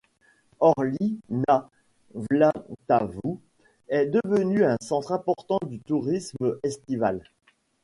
Orlík nad Vltavou est devenu un centre important du tourisme estival.